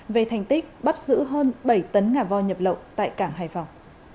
về thành tích bắt giữ hơn bảy tấn ngà vo nhập lậu tại cảng hải phòng